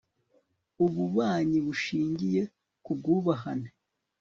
ububanyi bushingiye ku bwubahane